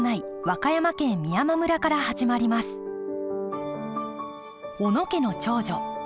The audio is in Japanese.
小野家の長女純子。